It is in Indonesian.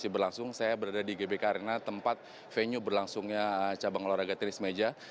berlangsung saya berada di gbk arena tempat venue berlangsungnya cabang olahraga tenis meja